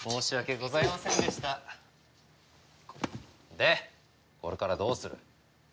でこれからどうする？